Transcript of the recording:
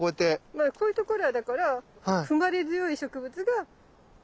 まあこういうところはだから踏まれ強い植物が残って。